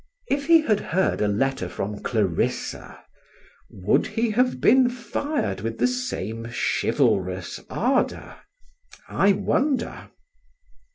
If he had heard a letter from Clarissa, would he have been fired with the same chivalrous ardour? I wonder.